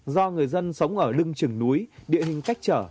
do người dân sống ở lưng trừng núi địa hình cách trở